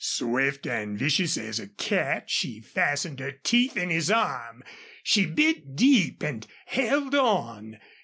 Swift and vicious as a cat she fastened her teeth in his arm. She bit deep and held on.